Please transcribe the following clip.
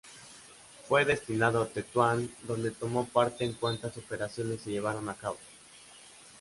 Fue destinado a Tetuán, donde tomó parte en cuantas operaciones se llevaron a cabo.